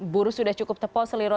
buruh sudah cukup tepo seliro